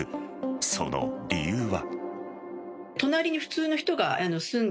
その理由は。